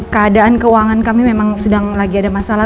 keadaan keuangan kami memang sedang lagi ada masalah